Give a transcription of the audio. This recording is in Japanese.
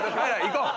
行こう！